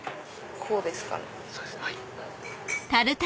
こうですかね。